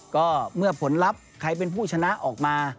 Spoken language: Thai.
ก็เมื่อผลลัพธ์ใครเป็นผู้ชนะออกมา